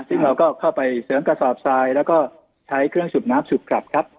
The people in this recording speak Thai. ซึ่งเราก็เข้าไปเสริมกระสอบทรายแล้วก็ใช้เครื่องสูบน้ำสูบกลับครับ